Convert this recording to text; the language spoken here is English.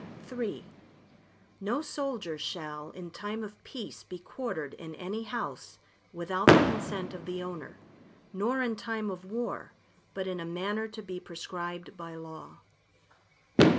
III No soldier shall, in time of peace be quartered in any house, without the consent of the owner, nor in time of war, but in a manner to be prescribed by law.